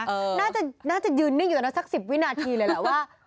น่าจะช็อกน่าจะยืนนี่อยู่แล้วสัก๑๐วินาทีเลยแหละว่า